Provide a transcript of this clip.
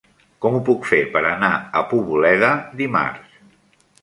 Com ho puc fer per anar a Poboleda dimarts?